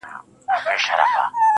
خاونده خدايه ستا د نور له دې جماله وځم